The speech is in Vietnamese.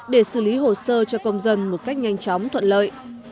để xử lý hồ sơ cho công dân một cách nhanh chóng thuận lợi